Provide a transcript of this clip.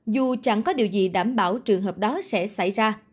không có điều gì đảm bảo trường hợp đó sẽ xảy ra